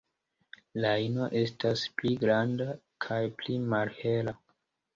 La ino estas pli granda kaj pli malhela.